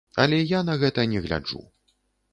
Але я на гэта не гляджу.